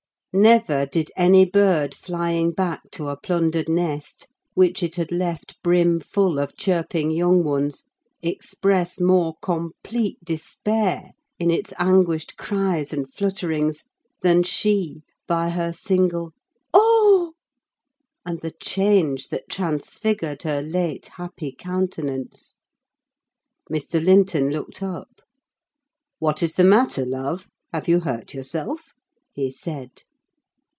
Never did any bird flying back to a plundered nest, which it had left brimful of chirping young ones, express more complete despair, in its anguished cries and flutterings, than she by her single "Oh!" and the change that transfigured her late happy countenance. Mr. Linton looked up. "What is the matter, love? Have you hurt yourself?" he said.